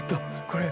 これ！